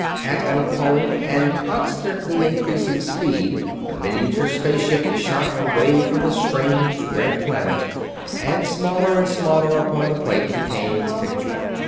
At an appalling and constantly increasing speed the miniature space ship shot away from the strange, red planet; and smaller and smaller upon the plate became its picture.